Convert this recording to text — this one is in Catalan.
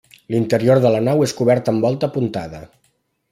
L'interior de la nau és cobert amb Volta apuntada.